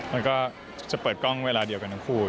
มันก็จะเปิดกล้องเวลาเดียวกันทั้งคู่